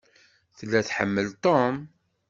Tella tḥemmel Tom.